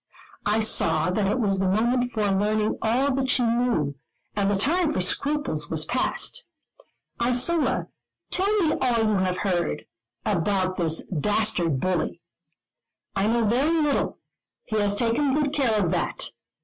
I saw that it was the moment for learning all that she knew; and the time for scruples was past. "Isola, tell me all you have heard, about this dastard bully?" "I know very little; he has taken good care of that.